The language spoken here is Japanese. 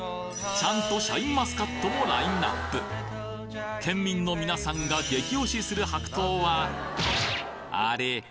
ちゃんとシャインマスカットもラインナップ県民の皆さんが激推しする白桃はあれ？